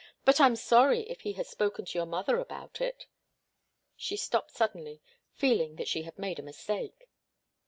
"But I'm sorry if he has spoken to your mother about it " She stopped suddenly, feeling that she had made a mistake.